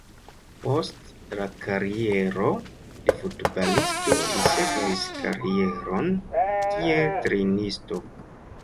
Post la kariero de futbalisto, li sekvis karieron kiel trejnisto.